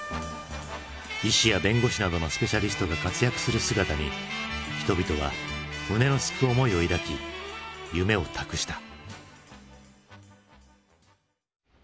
医師や弁護士などのスペシャリストが活躍する姿に人々は胸のすく思いを抱き夢を託した。